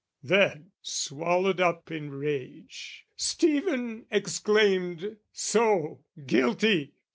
"Then, swallowed up in rage, Stephen exclaimed "'So, guilty!